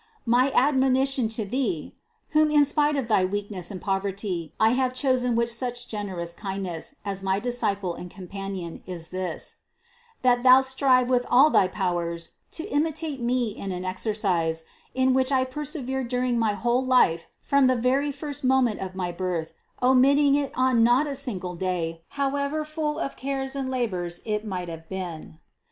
343. My admonition to thee, whom in spite of thy weakness and poverty I have chosen with such generous kindness as my disciple and companion, is this : that thou strive with all thy powers to imitate me in an exer cise, in which I persevered during my whole life from the very first moment of my birth, omitting it on not a single day, however full of cares and labors it might have been.